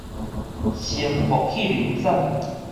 星爆氣流斬